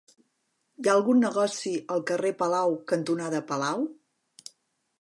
Hi ha algun negoci al carrer Palau cantonada Palau?